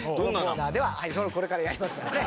それをこれからやりますからね。